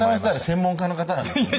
専門家の方なんですよね？